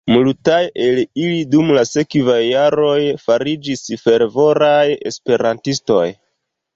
Multaj el ili dum la sekvaj jaroj fariĝis fervoraj esperantistoj.